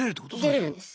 出れるんです。